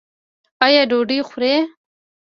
ایا ډوډۍ خورئ؟